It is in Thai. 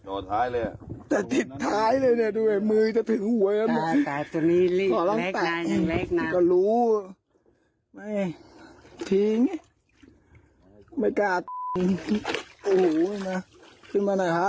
โอ้ยรอยโดมมียนต์ข้างเรือมา